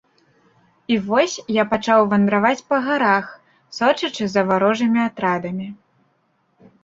І вось я пачаў вандраваць па гарах, сочачы за варожымі атрадамі.